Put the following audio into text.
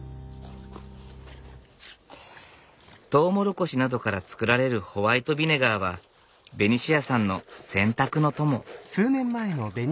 トウモロコシなどから作られるホワイトビネガーはベニシアさんの洗濯の友。